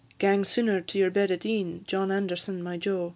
Gang sooner to your bed at e'en, John Anderson, my jo.